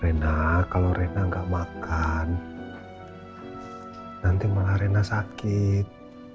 rena kalau rena enggak makan nanti malah rena sakit